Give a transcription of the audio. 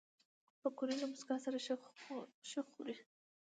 پکورې له موسکا سره ښه خوري